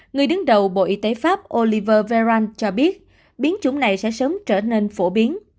người đứng đầu bộ y tế pháp oliver venaland cho biết biến chủng này sẽ sớm trở nên phổ biến